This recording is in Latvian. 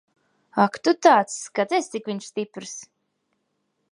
Ak tu tāds. Skaties, cik viņš stiprs.